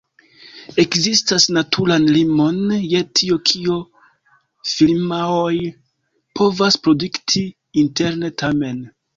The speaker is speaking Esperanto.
Ekzistas naturan limon je tio kio firmaoj povas produkti interne, tamen.